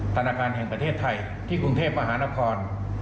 ธนาคารแห่งประเทศไทยที่กรุงเทพมหานคร